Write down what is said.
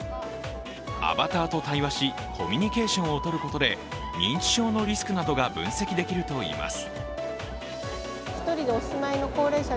アバターと対話し、コミュニケーションをとることで認知症のリスクなどが分析できるといいます。